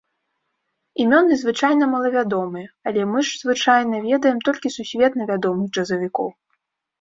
Імёны звычайна малавядомыя, але мы ж звычайна ведаем толькі сусветна вядомых джазавікоў.